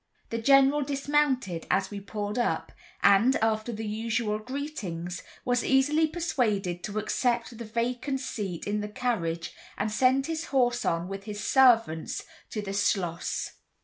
The General dismounted as we pulled up, and, after the usual greetings, was easily persuaded to accept the vacant seat in the carriage and send his horse on with his servant to the schloss.